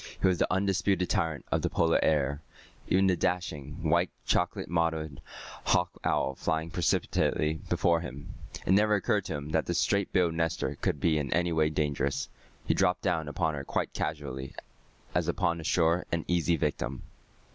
He was the undisputed tyrant of the Polar air, even the dashing, white chocolate mottled hawk owl flying precipitately before him. It never occurred to him that this straight billed nester could be in any way dangerous. He dropped down upon her quite casually, as upon a sure and easy victim.